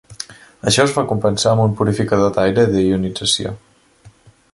Això es va compensar amb un purificador d'aire de ionització.